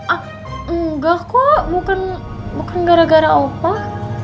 ah enggak kok bukan gara gara apa